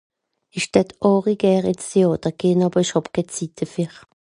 Ich dät àhri gärn ins Theàter gehn weer ich hàb kenn Zitt defer